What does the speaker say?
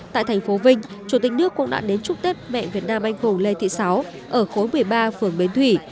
tại thành phố vinh chủ tịch nước cũng đã đến chúc tết mẹ việt nam anh hùng lê thị sáu ở khối một mươi ba phường bến thủy